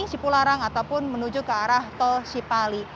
sipularang ataupun menuju ke arah tol sipali